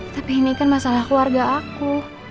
tapi ini kan masalah keluarga aku